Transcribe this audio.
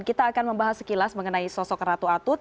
kita akan membahas sekilas mengenai sosok ratu atut